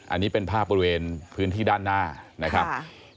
อันนี้เป็นภาพบริเวณพื้นที่ด้านหน้านะครับ